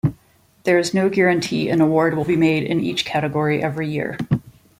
There is no guarantee an award will be made in each category every year.